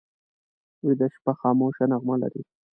ویده شپه خاموشه نغمه لري